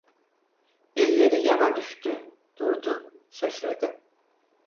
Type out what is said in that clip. Elleri yana düştü, durdu, şaşırdı...